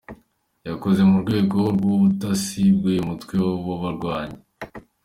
Yakoze mu rwego rw’ubutasi bw’uyu mutwe w’abarwanyi.